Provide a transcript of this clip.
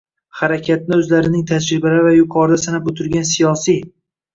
harakatni o‘zlarining tajribalari va yuqorida sanab o‘tilgan siyosiy